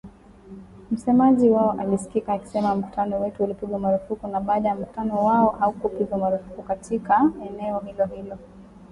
Msemaji wao alisikika akisema mkutano wetu ulipigwa marufuku na bado mkutano wao haukupigwa marufuku katika eneo hilo-hilo.